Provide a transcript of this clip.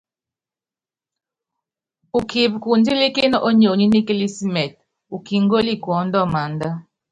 Kipíkundílíkíni ónyonyi nikilísimitɛ, ukíngóli kuɔ́ndɔ maánda.